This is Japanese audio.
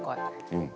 うん。